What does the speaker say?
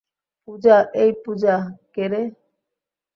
পূজা, এই পুজা কেরে?